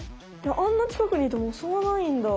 あんなちかくにいても襲わないんだ。